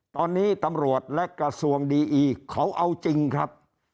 ตอนนี้ตำรวจและกระทรวงดีอีเขาเอาจริงครับ